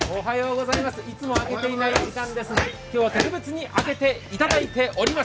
いつもは開けていない時間ですが今日は特別に開けていただいております。